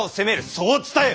そう伝えよ！